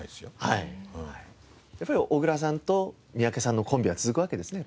やっぱり小倉さんと三宅さんのコンビは続くわけですね